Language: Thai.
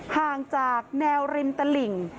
ห่างจากแนวริมตลิ่ง